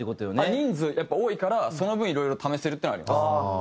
人数やっぱ多いからその分いろいろ試せるっていうのはあります。